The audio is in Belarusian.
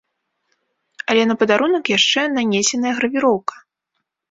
Але на падарунак яшчэ нанесеная гравіроўка!